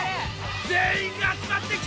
全員が集まってきた！